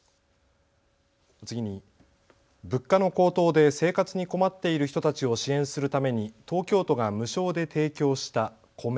次に、物価の高騰で生活に困っている人たちを支援するために東京都が無償で提供した米。